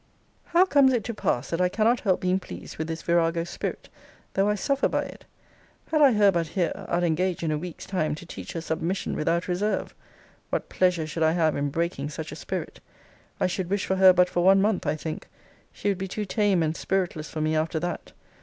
How comes it to pass, that I cannot help being pleased with this virago's spirit, though I suffer by it? Had I her but here, I'd engage, in a week's time, to teach her submission without reserve. What pleasure should I have in breaking such a spirit! I should wish for her but for one month, I think. She would be too tame and spiritless for me after that.